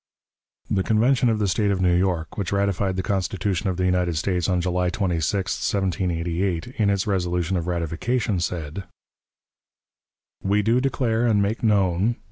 The Convention of the State of New York, which ratified the Constitution of the United States on July 26, 1788, in its resolution of ratification said: "We do declare and make known